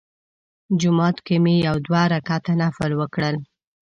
جومات کې مې یو دوه رکعته نفل وکړل.